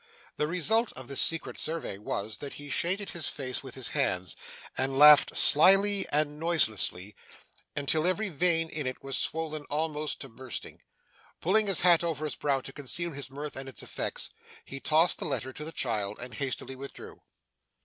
The result of this secret survey was, that he shaded his face with his hands, and laughed slyly and noiselessly, until every vein in it was swollen almost to bursting. Pulling his hat over his brow to conceal his mirth and its effects, he tossed the letter to the child, and hastily withdrew.